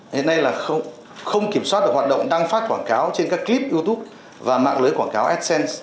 hiện nay là không kiểm soát được hoạt động đăng phát quảng cáo trên các clip youtube và mạng lưới quảng cáo sc